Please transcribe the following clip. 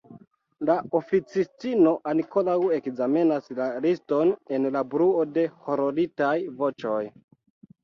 La oficistino ankoraŭ ekzamenas la liston en la bruo de hororitaj voĉoj.